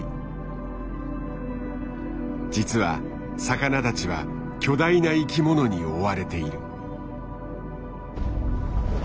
実は魚たちは巨大な生きものに追われている。